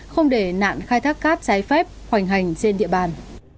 không để nạn khai thác cát trái phép hoành hành trên địa bàn